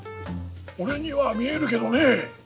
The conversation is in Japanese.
俺には見えるけどね。